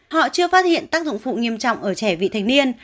họ chưa phát hiện tác dụng phụ nghiêm trọng ở trẻ vị thành niên